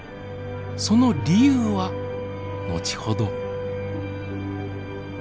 その理由は後ほど。